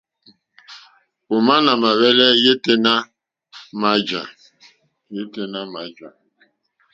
Òmá nà mà hwɛ́lɛ́ yêténá à mà jǎ.